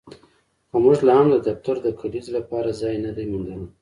خو موږ لاهم د دفتر د کلیزې لپاره ځای نه دی موندلی